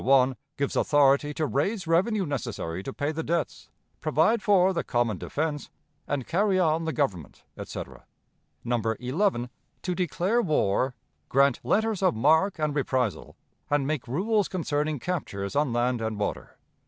1 'gives authority to raise revenue necessary to pay the debts, provide for the common defense, and carry on the Government,' etc. No. 11, 'To declare war, grant letters of marque and reprisal, and make rules concerning captures on land and water.'